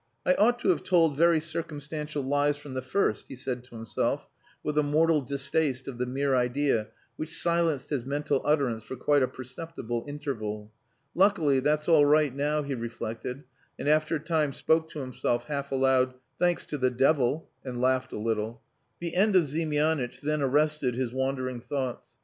"I ought to have told very circumstantial lies from the first," he said to himself, with a mortal distaste of the mere idea which silenced his mental utterance for quite a perceptible interval. "Luckily, that's all right now," he reflected, and after a time spoke to himself, half aloud, "Thanks to the devil," and laughed a little. The end of Ziemianitch then arrested his wandering thoughts.